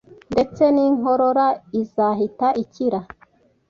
detse n’inkorora izahita ikira